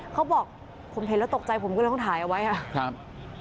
เขาบอกผมเห็นแล้วตกใจผมก็เลยต้องถ่ายเอาไว้ครับ